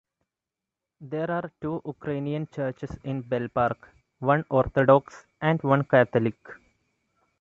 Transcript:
There are two Ukrainian churches in Bell Park - one Orthodox and one Catholic.